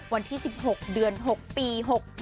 วันที่๑๖เดือน๖ปี๖๗